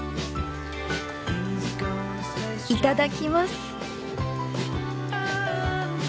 いただきます。